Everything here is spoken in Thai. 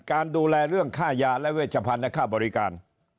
การดูแลเรื่องค่ายาและเวชพันธ์และค่าบริการ